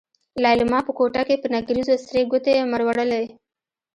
ليلما په کوټه کې په نکريزو سرې ګوتې مروړلې.